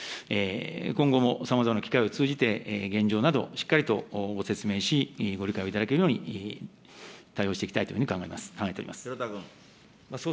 今後もさまざまな機会を通じて、現状など、しっかりとご説明し、ご理解をいただけるように、対応していきたいというふうに考えております。